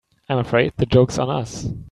I'm afraid the joke's on us.